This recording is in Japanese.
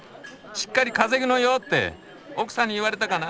「しっかり稼ぐのよ」って奥さんに言われたかな？